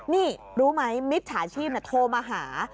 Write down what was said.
นี่รู้ไหมมิจฉาชีพโทรมาหา